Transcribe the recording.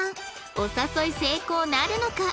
お誘い成功なるのか？